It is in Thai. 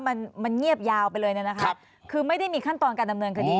มันมันเงียบยาวไปเลยเนี่ยนะคะคือไม่ได้มีขั้นตอนการดำเนินคดี